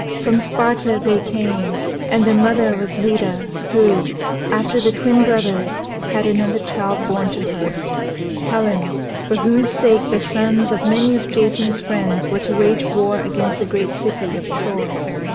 From Sparta they came, and their mother was Leda, who, after the twin brothers, had another child born to her Helen, for whose sake the sons of many of Jason's friends were to wage war against the great city of Troy.